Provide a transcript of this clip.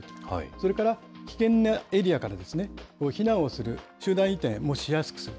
それから危険なエリアから避難をする、集団移転もしやすくする。